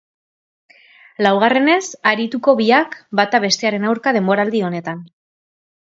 Laugarrenez arituko biak bata bestearen aurka denboraldi honetan.